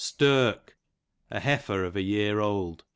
Stirk, a heifer of a year old.